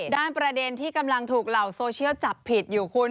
ประเด็นที่กำลังถูกเหล่าโซเชียลจับผิดอยู่คุณ